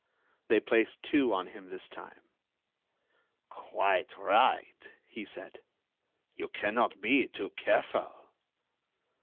They placed two on him this time. "Quite right," he said. "You cannot be too careful."